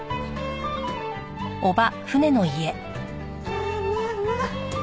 まあまあまあ。